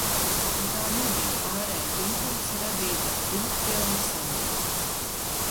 Un tā nebija ārēja impulsa radīta ilgpilna sajūta.